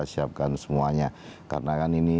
siapkan semuanya karena kan ini